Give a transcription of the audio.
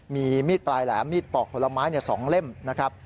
มีมีดปลายแหลมมีดปอกผลไม้๒เล่มนะครับ